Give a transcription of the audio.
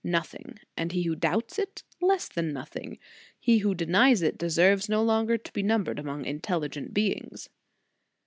Nothing. And he who doubts it? Less than nothing. He who denies it, de serves no longer to be numbered among intelligent beings.